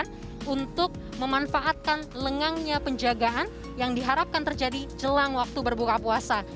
sebelum berangkat mereka bergerak memulai perjalanan bertepatan dengan waktu berbuka puasa